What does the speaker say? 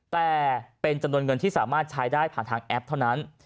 แต่เป็นจำนวนเงินที่สามารถใช้ได้ผ่านทางแอปเท่านั้น